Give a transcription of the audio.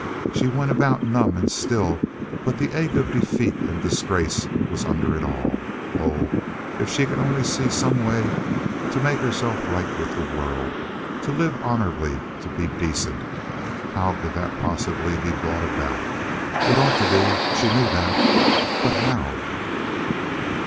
She went about numb and still, but the ache of defeat and disgrace was under it all. Oh, if she could only see some way to make herself right with the world, to live honorably, to be decent. How could that possibly be brought about? It ought to be—she knew that. But how?